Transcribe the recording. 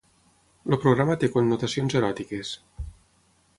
El programa té connotacions eròtiques.